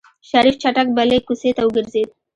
شريف چټک بلې کوڅې ته وګرځېد.